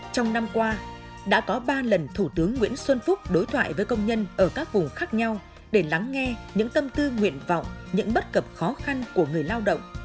trong năm qua đã có ba lần thủ tướng nguyễn xuân phúc đối thoại với công nhân ở các vùng khác nhau để lắng nghe những tâm tư nguyện vọng những bất cập khó khăn của người lao động